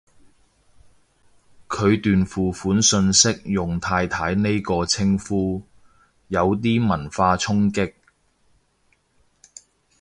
佢段付款訊息用太太呢個稱呼，有啲文化衝擊